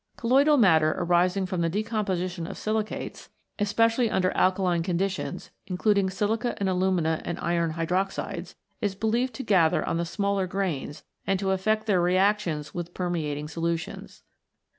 Colloidal matter arising from the decomposition of silicates, especially under alkaline conditions, in cluding silica and aluminium and iron hydroxides, is believed to gather on the smaller grains and to iv] CLAYS, SHALES, AND SLATES 81 affect their reactions with permeating solutions.